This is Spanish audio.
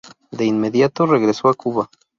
De inmediato, regresó a Cuba.